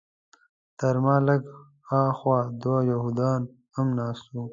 تر ما لږ هاخوا دوه یهودان هم ناست وو.